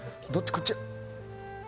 こっち？